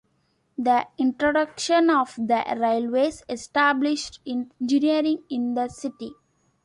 The introduction of the railways established engineering in the city.